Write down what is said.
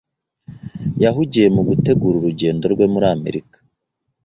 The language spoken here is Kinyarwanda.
Yahugiye mu gutegura urugendo rwe muri Amerika